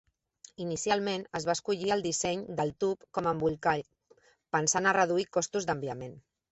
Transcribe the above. Inicialment, es va escollir el disseny del tub com a embolcall pensant a reduir costos d'enviament.